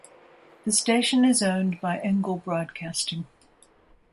The station is owned by Engle Broadcasting.